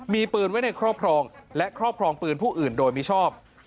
มีปืนไว้ในครอบครองและครอบครองปืนผู้อื่นโดยมิชอบ